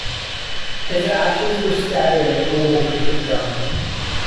His ashes were scattered at the Oval cricket ground.